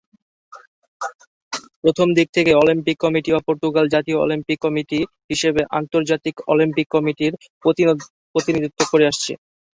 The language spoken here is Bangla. প্রথম দিক থেকে, অলিম্পিক কমিটি অব পর্তুগাল জাতীয় অলিম্পিক কমিটি হিসাবে আন্তর্জাতিক অলিম্পিক কমিটির প্রতিনিধিত্ব করে আসছে।